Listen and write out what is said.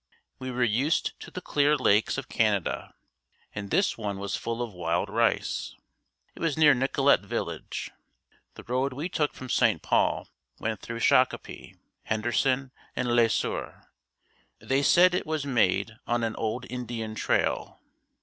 We were used to the clear lakes of Canada and this one was full of wild rice. It was near Nicollet Village. The road we took from St. Paul went through Shakopee, Henderson and Le Seuer. They said it was made on an old Indian trail.